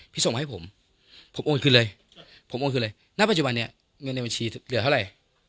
ส่งมาให้ผมผมโอนคืนเลยผมโอนคืนเลยณปัจจุบันนี้เงินในบัญชีเหลือเท่าไหร่